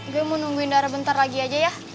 gue mau nungguin darah bentar lagi aja ya